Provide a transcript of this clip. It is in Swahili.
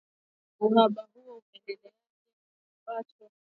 uhaba huo umeendelea huku kukiwepo mivutano juu ya kiwango ambacho